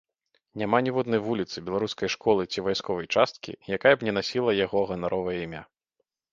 Няма ніводнай вуліцы, беларускай школы ці вайсковай часткі, якая б насіла яго ганаровае імя.